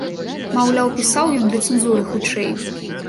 Маўляў, пісаў ён для цэнзуры хутчэй.